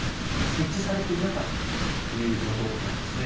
設置されていなかったということなんですね。